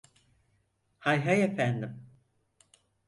Hay hay, efendim.